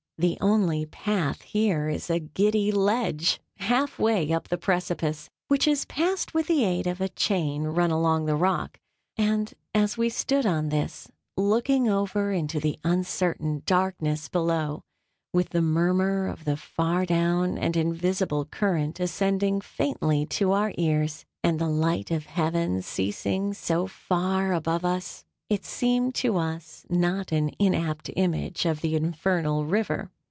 The only path here is a giddy ledge, half way up the precipice, which is passed with the aid of a chain run along the rock; and, as we stood on this, looking over into the uncertain darkness below, with the murmur of the far down and invisible current ascending faintly to our ears, and the light of heaven ceasing so far above us, it seemed to us not an inapt image of the infernal river.